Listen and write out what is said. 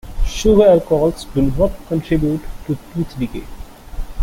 Sugar alcohols do not contribute to tooth decay.